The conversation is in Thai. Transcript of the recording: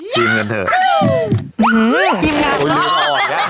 ชิมกันเถอะอืมในตรงนี้เนี้ยอันนี้เป็นมุกหรือจริงอ่า